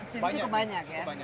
cincu kebanyak ya